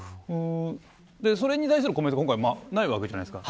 それに対するコメントはないわけじゃないですか。